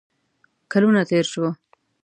کلونه تیر شوه